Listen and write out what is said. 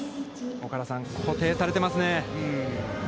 岡田さん、固定されていますね。